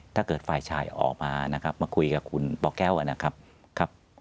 ถ้าเกิดฝ่ายชายออกมานะครับมาคุยกับคุณปแก้วนะครับ